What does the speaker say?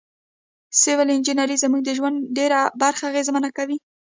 سیول انجنیری زموږ د ژوند ډیره برخه اغیزمنه کوي.